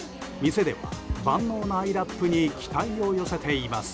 店では万能なアイラップに期待を寄せています。